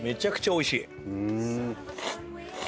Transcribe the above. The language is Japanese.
おいしい！